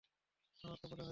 আমার তো মনে হয় না।